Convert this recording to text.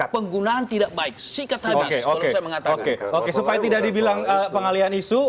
supaya tidak dibilang pengalian isu